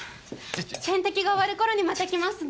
点滴が終わる頃にまた来ますね。